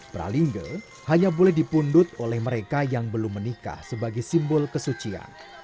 pralinga hanya boleh dipundut oleh mereka yang belum menikah sebagai simbol kesucian